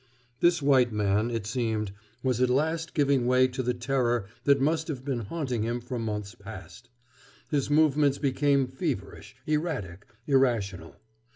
This white man, it seemed, was at last giving way to the terror that must have been haunting him for months past. His movements became feverish, erratic, irrational.